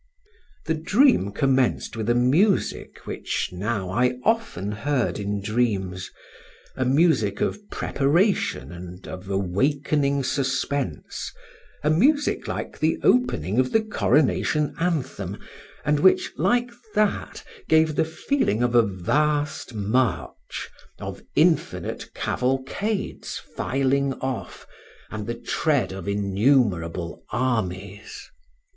The dream commenced with a music which now I often heard in dreams—a music of preparation and of awakening suspense, a music like the opening of the Coronation Anthem, and which, like that, gave the feeling of a vast march, of infinite cavalcades filing off, and the tread of innumerable armies.